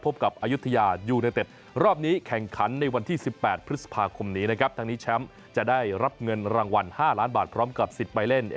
พบกับอายุทยายูเนเต็ดรอบนี้แข่งขันในวันที่๑๘พฤษภาคมนี้นะครับทั้งนี้แชมป์จะได้รับเงินรางวัล๕ล้านบาทพร้อมกับสิทธิ์ไปเล่น